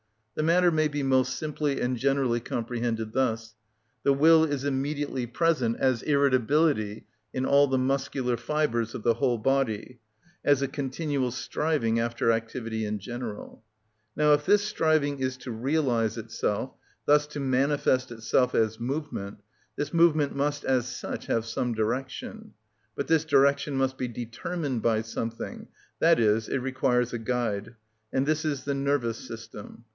The matter may be most simply and generally comprehended thus: the will is immediately present as irritability in all the muscular fibres of the whole body, as a continual striving after activity in general. Now if this striving is to realise itself, thus to manifest itself as movement, this movement must as such have some direction; but this direction must be determined by something, i.e., it requires a guide, and this is the nervous system.